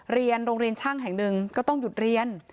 เรียนโรงเรียนช่างแห่งหนึ่งก็ต้องหยุดเรียน